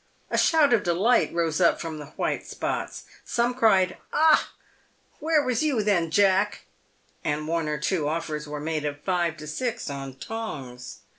A shout of delight rose up from the white spots. Some cried, " Ah ! where was you then, Jack," and one or two offers were made of five to six on Tongs.